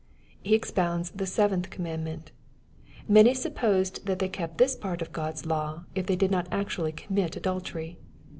He expounds the seventh commandment Many sup posed that they kept this part of God's law, if they did not actually commit adultery.